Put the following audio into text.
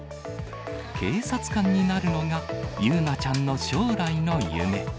警察官になるのが友裕奈ちゃんの将来の夢。